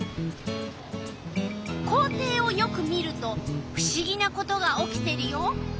校庭をよく見るとふしぎなことが起きてるよ！